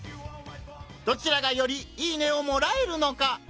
どちらがより「いいね！」をもらえるのか！？